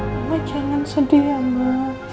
mama jangan sedih ya mbak